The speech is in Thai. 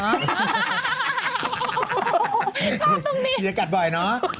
ชอบตรงนี้อีกอากาศบ่อยเนอะ